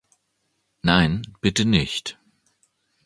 Nein, bitte nicht.